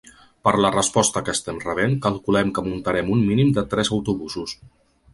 “Per la resposta que estem rebent, calculem que muntarem un mínim de tres autobusos”.